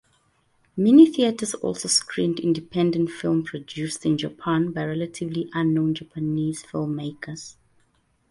Mini theaters also screened independent films produced in Japan by relatively unknown Japanese filmmakers.